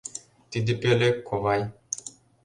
Тиде пӧлек, ковай.